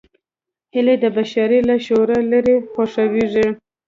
هیلۍ د بشر له شوره لیرې خوښېږي